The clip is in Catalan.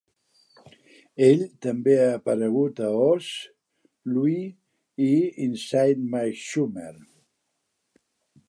Ell també ha aparegut a "Oz, "Louie" i "Inside my Schumer".